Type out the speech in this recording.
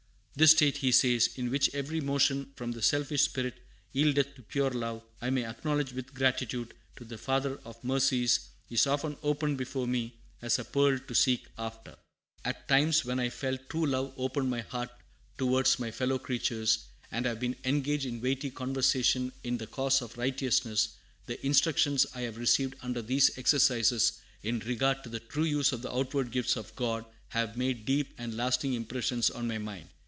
"This state," he says, "in which every motion from the selfish spirit yieldeth to pure love, I may acknowledge with gratitude to the Father of Mercies, is often opened before me as a pearl to seek after." At times when I have felt true love open my heart towards my fellow creatures, and have been engaged in weighty conversation in the cause of righteousness, the instructions I have received under these exercises in regard to the true use of the outward gifts of God have made deep and lasting impressions on my mind.